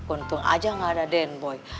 untung aja gak ada den boy